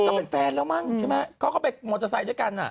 ก็เป็นแฟนแล้วมั้งใช่ไหมเขาก็ไปมอเตอร์ไซค์ด้วยกันอ่ะ